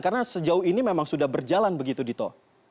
karena sejauh ini memang sudah berjalan begitu dito